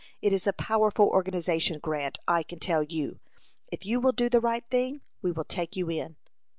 It is a powerful organization, Grant, I can tell you. If you will do the right thing, we will take you in."